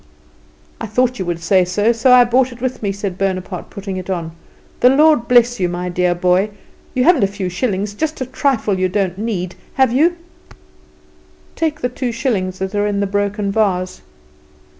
"I thought you would say so, so I brought it with me," said Bonaparte, putting it on. "The Lord bless you, my dear boy. You haven't a few shillings just a trifle you don't need have you?" "Take the two shillings that are in the broken vase."